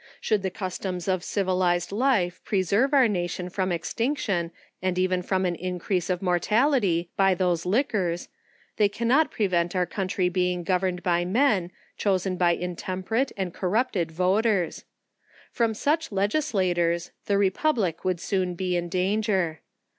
— Should the customs of civilized life, preserve our nation from extinction, and even from an increase of mortality, by those liquors, they cannot prevent our country being governed by men, chosen by intemperate and corrupted voters, From such legislators, the republic would soon B2' ~2 ON THE EFFECTS OF be in danger.